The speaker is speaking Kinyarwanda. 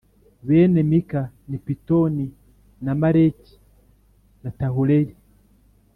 Bene Mika ni Pitoni na Meleki na Tahureya